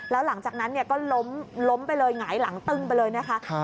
แล้วหลังจากนั้นก็ล้มไปเลยหงายหลังตึ้งไปเลยนะคะ